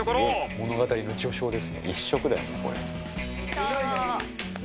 「物語の序章ですね」